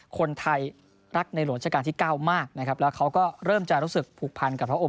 คนไทยรักในหลวงราชการที่เก้ามากนะครับแล้วเขาก็เริ่มจะรู้สึกผูกพันกับพระองค์